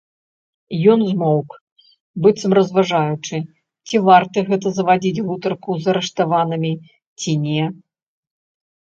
Ён змоўк, быццам разважаючы, ці варта гэта завадзіць гутарку з арыштаваным, ці не.